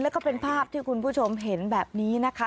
แล้วก็เป็นภาพที่คุณผู้ชมเห็นแบบนี้นะคะ